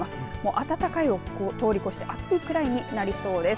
暖かいを通りこして暑いぐらいになりそうです。